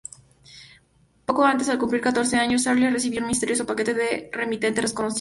Poco antes de cumplir catorce años, Ashley recibió un misterioso paquete de remitente desconocido.